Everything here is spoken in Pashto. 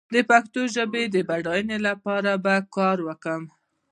د پښتو ژبې د بډايينې لپاره به کار کوم